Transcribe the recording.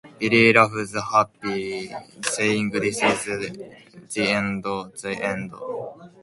Billy laughs happily, saying "This is the end, the end!".